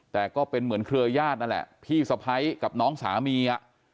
แต่ก็เป็นเหมือนเครือญาตินั่นแหละพี่สะพ้ายกับน้องสามี